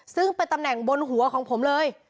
ซึ่งเป็นตำแหน่งบนหัวของผมเลย